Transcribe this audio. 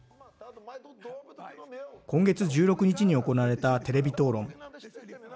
今月１６日に行われたテレビ討論。